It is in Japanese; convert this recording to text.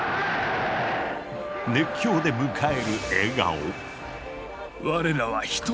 熱狂で迎える笑顔。